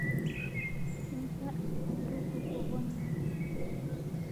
Fungua isanduku kuw'one ny'eche.